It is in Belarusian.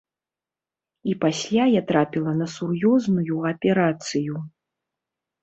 І пасля я трапіла на сур'ёзную аперацыю.